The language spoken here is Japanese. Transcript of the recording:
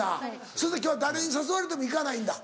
それじゃ今日は誰に誘われても行かないんだ。